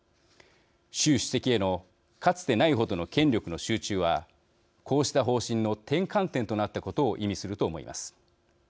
習主席へのかつてないほどの権力の集中はこうした方針の転換点となったことを意味すると思います。